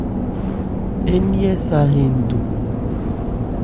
Ńnyɛ sa hɛn du.